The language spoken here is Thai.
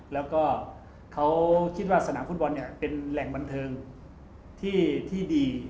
แล้วก็เขาคิดว่าสนามฟุตบอลเนี่ยเป็นแหล่งบันเทิงที่ดี